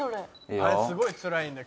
「あれすごいつらいんだよ。